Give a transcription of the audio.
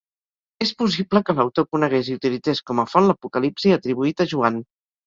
És possible que l'autor conegués i utilitzés com a font, l'Apocalipsi atribuït a Joan.